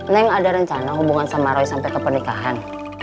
neng ada rencana hubungan sama roy sampai ke pernikahan